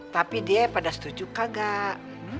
tapi dia pada setuju kagak